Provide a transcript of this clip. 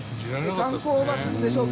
観光バスでしょうか